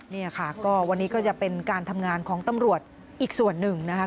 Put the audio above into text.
นี่ค่ะก็วันนี้ก็จะเป็นการทำงานของตำรวจอีกส่วนหนึ่งนะคะ